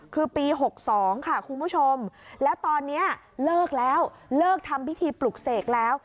คือปี๖๒ค่ะคุณผู้ชมแล้วตอนนี้เลิกแล้วเลิกทำพิธีปลุกเสกแล้ว